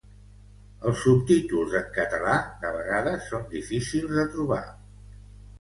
Els subtítols en català de vegades són difícils de trobar.